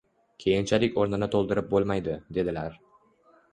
keyinchalik o‘rnini to‘ldirib bo‘lmaydi, deydilar.